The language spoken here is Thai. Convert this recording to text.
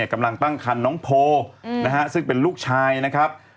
กำลังตั้งคันน้องโพนะฮะซึ่งเป็นลูกชายนะครับ